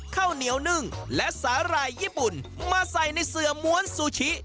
ข้าวเหนียวนึ่งและสาหร่ายญี่ปุ่นมาใส่ในเสือม้วนซูชิ